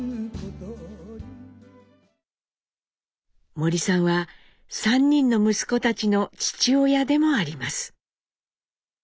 森さんは３人の息子たちの父親でもあります。